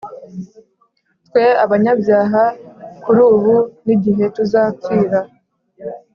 twe abanyabyaha kuri ubu n’igihe tuzapfira”